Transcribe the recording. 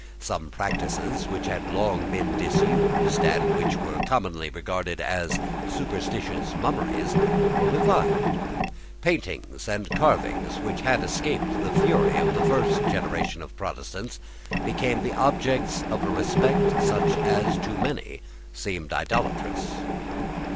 Some practices which had long been disused, and which were commonly regarded as superstitious mummeries, were revived. Paintings and carvings, which had escaped the fury of the first generation of Protestants, became the objects of a respect such as to many seemed idolatrous.